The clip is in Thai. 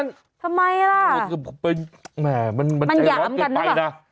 งอทำไมล่ะมันหยาบกันนะบะ